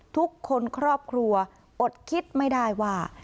ทุกคนครอบครัวอดคิดไม่ได้ว่า